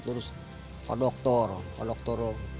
terus pak doktor